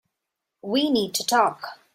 We need to talk.